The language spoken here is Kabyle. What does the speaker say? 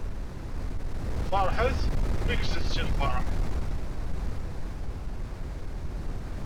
Feṛḥet, neggzet si lfeṛḥ!